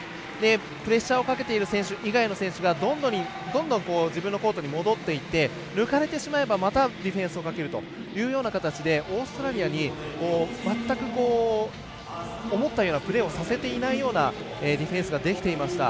プレッシャーをかけている以外の選手がどんどん自分のコートに戻っていって抜かれてしまえばまたディフェンスをかけるという形でオーストラリアに全く思ったようなプレーをさせていないようなディフェンスができていました。